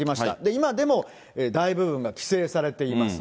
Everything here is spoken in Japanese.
今でも大部分が規制されています。